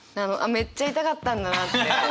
めっちゃ痛かったんだなって。